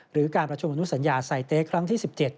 หรือการประชุมอนุสัญญาไซเต๊ครั้งที่๑๗